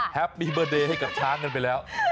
แฮปปี้เบอร์เดย์ให้กับช้างกันไปแล้ว